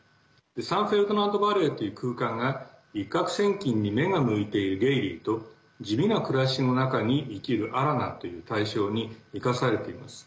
サンフェルナンド・バレーという空間が一獲千金に目が向いているゲイリーと地味な暮らしの中に生きるアラナという対照に生かされています。